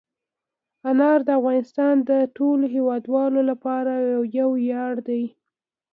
انار د افغانستان د ټولو هیوادوالو لپاره یو ویاړ دی.